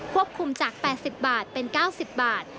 คุมจาก๘๐บาทเป็น๙๐บาท